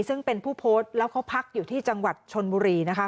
ซึ่งเป็นผู้โพสต์แล้วเขาพักอยู่ที่จังหวัดชนบุรีนะคะ